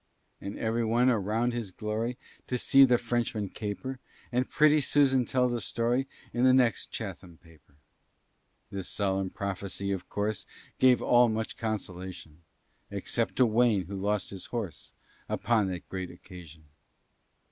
"And every one around shall glory To see the Frenchman caper; And pretty Susan tell the story In the next Chatham paper." This solemn prophecy, of course, Gave all much consolation, Except to Wayne, who lost his horse Upon that great occasion.